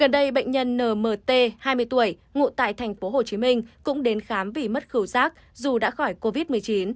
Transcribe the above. gần đây bệnh nhân nmt hai mươi tuổi ngụ tại tp hcm cũng đến khám vì mất khử rác dù đã khỏi covid một mươi chín